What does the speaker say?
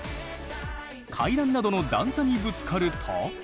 階段などの段差にぶつかると。